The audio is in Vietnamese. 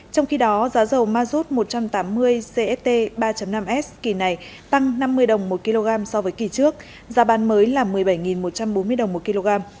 trong khi đó giá dầu mazut một trăm tám mươi cst ba năm s kỳ này tăng năm mươi đồng một kg so với kỳ trước giá bán mới là một mươi bảy một trăm bốn mươi đồng một kg